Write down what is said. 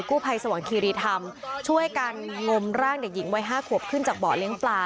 ผู้ภัยสวรรคีรีธรรมช่วยกันงมร่างเด็กหญิงวัย๕ขวบขึ้นจากเบาะเลี้ยงปลา